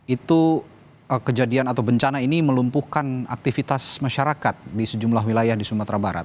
itu kejadian atau bencana ini melumpuhkan aktivitas masyarakat di sejumlah wilayah di sumatera barat